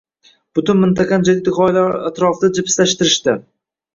butun mintaqani jadid g'oyalari atrofida jipslashtirishtirdi.